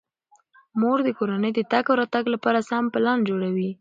مور د کورنۍ د تګ او راتګ لپاره سم پلان جوړوي.